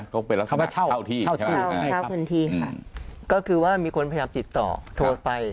เขาเป็นลักษณะเช่าที่คือว่ามีคนพยายามติดต่อโทรไป